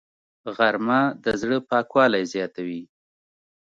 غرمه د زړه پاکوالی زیاتوي